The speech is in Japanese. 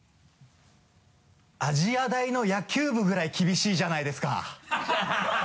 「亜細亜大の野球部ぐらい厳しいじゃないですか」